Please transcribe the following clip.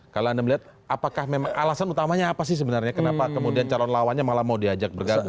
kalau anda melihat apakah memang alasan utamanya apa sih sebenarnya kenapa kemudian calon lawannya malah mau diajak bergabung